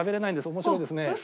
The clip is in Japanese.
面白いですね。